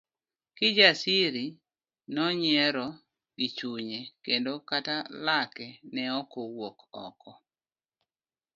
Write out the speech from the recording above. Kijasiri nonyiero gichunye kendo kata lake ne okowuok oko.